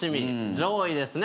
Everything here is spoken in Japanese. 上位ですね